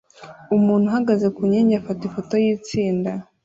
Umuntu uhagaze ku nkingi afata ifoto yitsinda